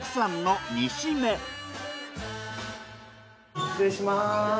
失礼します。